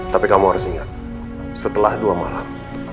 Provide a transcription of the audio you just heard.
tapi kamu harus ingat setelah dua malam